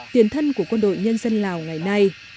tiền thân của quân đội nhân dân lào ngày nay